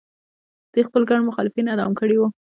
دوی خپل ګڼ مخالفین اعدام کړي وو.